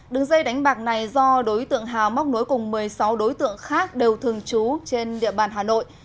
đường dây đánh bạc này do đối tượng hà móc nối cùng một mươi sáu đối tượng khác đều thường trú trên địa bàn hà nội